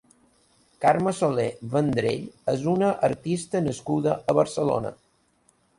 Carme Solé Vendrell és una artista nascuda a Barcelona.